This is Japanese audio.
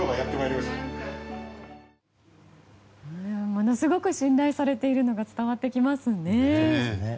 ものすごく信頼されているのが伝わってきますね。